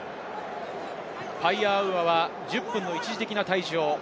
パイアアウアは１０分の一時的な退場。